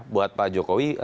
buat pak jokowi